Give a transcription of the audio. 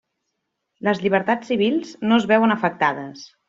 Les llibertats civils no es veuen afectades.